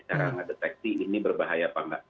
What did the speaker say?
cara ngedeteksi ini berbahaya apa enggak